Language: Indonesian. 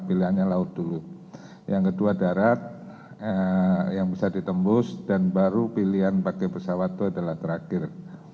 pertama kami pakai pesawat itu adalah terakhir